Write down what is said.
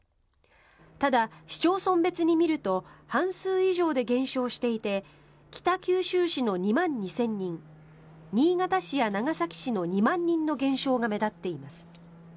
ただ、市町村別に見ると半数以上で減少していて北九州市の２万２０００人新潟市や長崎市の２万人の減少が目立っています。